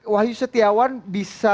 wahyu setiawan bisa